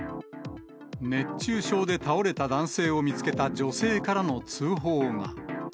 熱中症で倒れた男性を見つけた女性からの通報が。